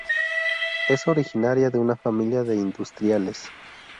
Es originaria de una familia de industriales.